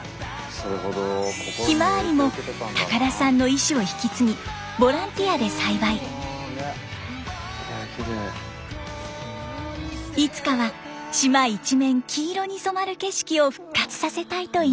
ひまわりも高田さんの意思を引き継ぎいつかは島一面黄色に染まる景色を復活させたいといいます。